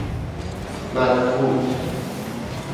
مدفوع